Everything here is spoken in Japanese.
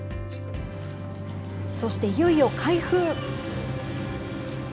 そして、いよいよ開封。